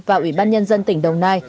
và ủy ban nhân dân tỉnh đồng nai